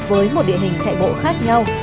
với một địa hình chạy bộ khác nhau